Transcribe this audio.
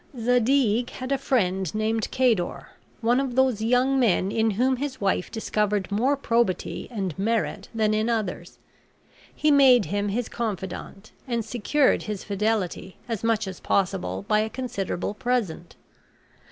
Zadig had a friend named Cador, one of those young men in whom his wife discovered more probity and merit than in others. He made him his confidant, and secured his fidelity as much as possible by a considerable present.